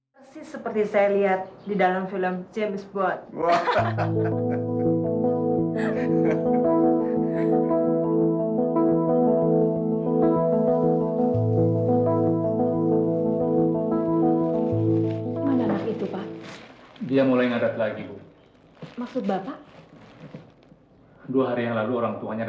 sersi seperti saya lihat di dalam film james bond